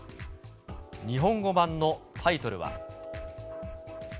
日本語版のタイトルは。